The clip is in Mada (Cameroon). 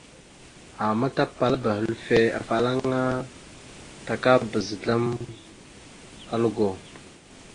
Ama tapalaba hʉlfœ afalaŋa takabaz azzlam algo.